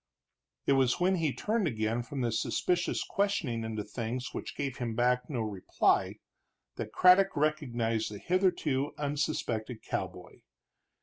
It was when he turned again from this suspicious questioning into things which gave him back no reply, that Craddock recognized the hitherto unsuspected cowboy.